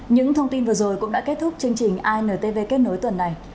những thông tin vừa rồi cũng đã kết thúc chương trình intv kết nối tuần này